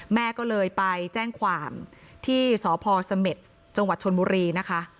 แม่ก็เลยไปแจ้งความที่สพสเมษจชนมุรีนะคะ